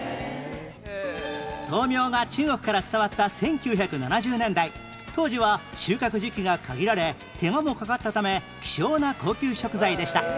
豆苗が中国から伝わった１９７０年代当時は収穫時期が限られ手間もかかったため希少な高級食材でした